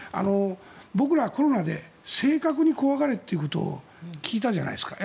僕らはコロナで正確に怖がれということを聞いたじゃないですか。